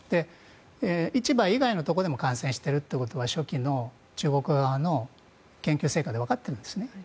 市場以外のところでも感染しているということは初期の中国側の研究成果でわかってるんですね。